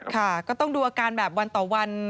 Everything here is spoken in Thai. ค่ะก็ต้องดูอาการแบบวันต่อวัน